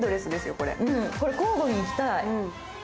これ交互にいきたい。